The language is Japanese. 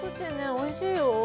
おいしいよ